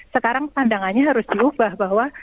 sekarang pandangannya harus diubah bahwa